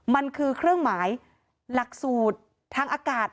มันคือเครื่องหมายหลักสูตรทางอากาศ